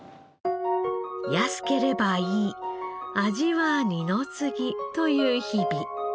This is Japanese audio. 安ければいい味は二の次という日々。